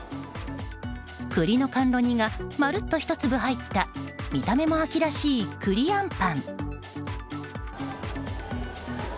栗の甘露煮がまるっとひと粒入った見た目も秋らしい栗あんぱん。